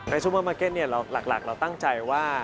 ซูเปอร์มาร์เก็ตหลักเราตั้งใจว่า